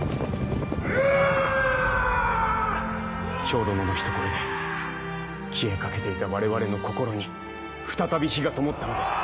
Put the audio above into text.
漂殿のひと声で消えかけていた我々の心に再び火がともったのです。